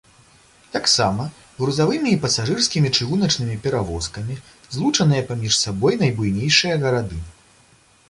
Таксама грузавымі і пасажырскімі чыгуначнымі перавозкамі злучаныя паміж сабой найбуйнейшыя гарады.